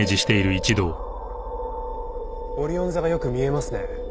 オリオン座がよく見えますね。